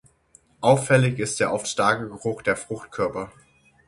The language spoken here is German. Auffällig ist der oft starke Geruch der Fruchtkörper.